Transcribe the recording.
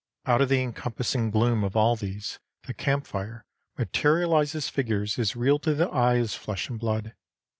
Out of the encompassing gloom of all these, the camp fire materializes figures as real to the eye as flesh and blood.